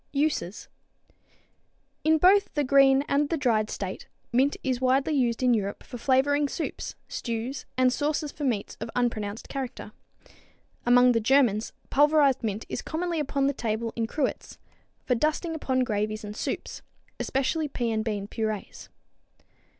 Uses. In both the green and the dried state mint is widely used in Europe for flavoring soups, stews and sauces for meats of unpronounced character. Among the Germans pulverized mint is commonly upon the table in cruets for dusting upon gravies and soups, especially pea and bean purees.